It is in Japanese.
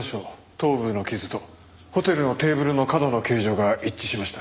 頭部の傷とホテルのテーブルの角の形状が一致しました。